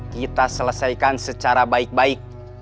kita selesaikan secara baik baik